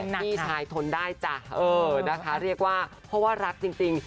พี่ชายทนได้จ้ะเออนะคะเรียกว่าเพราะว่ารักจริง